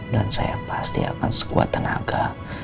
dan saya pasti akan sekuat tenaga